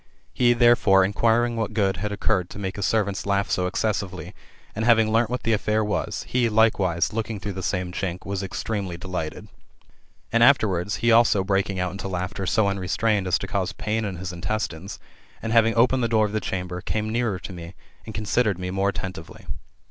He, therefore, inquiring what good had occurred to make his servants laugh so excessively, and having learnt what the affair was, he, likewise, looking through the same chink, was extremely delighted. And afterwards, he also breaking out into laughter so unrestrained as to cause pain in his intestines, and having opened the door of the chamber, came nearer to me, and considered me more attentively.